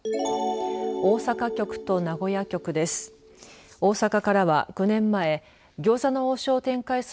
大阪局と名古屋局です。